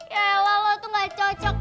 yaelah lo tuh gak cocok